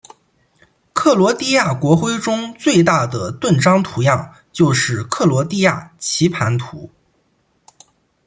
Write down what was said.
克罗地亚国徽中最大的盾章图样就是克罗地亚棋盘图。